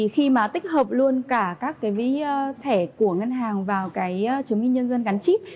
khi tích hợp luôn cả các thẻ của ngân hàng vào chứng minh nhân dân gắn chiếc